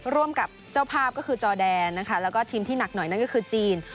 ร่วมกับเจ้าภาพก็คือจอแดนนะคะแล้วก็ทีมที่หนักหน่อยนั่นก็คือจีน